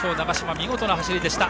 見事な走りでした。